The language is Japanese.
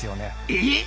えっ！？